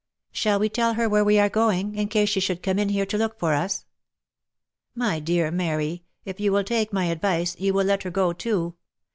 Shall we tell her where we are going, in case she should come in here to look for us ?"" My dear Mary ! If you will take my advice, you will let her go too.